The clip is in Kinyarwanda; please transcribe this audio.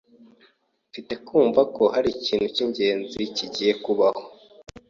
Mfite kumva ko hari ikintu cyingenzi kigiye kubaho.